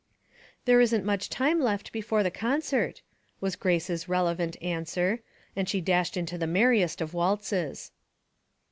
" There isn't much time left before the con 3ert," was Grace's relevant answer, and she dashed into the merriest of waltzes.